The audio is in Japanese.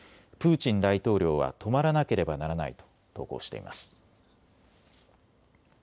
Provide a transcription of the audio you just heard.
プーチン大統領は止まらなければならないと投稿しています。